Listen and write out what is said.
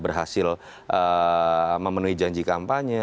berhasil memenuhi janji kampanye